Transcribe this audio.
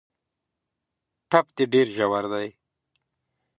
ټپ دي ډېر ژور دی .